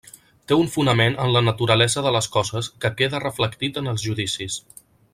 Té un fonament en la naturalesa de les coses que queda reflectit en els judicis.